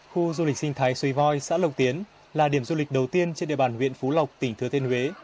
khu du lịch sinh thái xuy voi xã lộc tiến là điểm du lịch đầu tiên trên địa bàn huyện phú lộc tỉnh thừa thiên huế